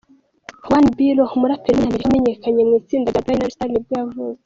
One Be Lo, umuraperi w’umunyamerika wamenyekanye mu itsinda rya Binary Star nibwo yavutse.